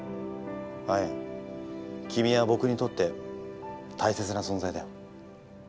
アエン君は僕にとって大切な存在だよ。